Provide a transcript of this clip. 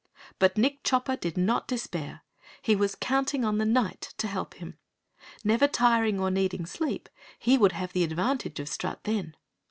But Nick Chopper did not despair. He was counting on the night to help him. Never tiring or needing sleep, he would have the advantage of Strut, then.